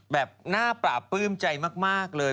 แบบหน้าปราบปลื้มใจมากเลย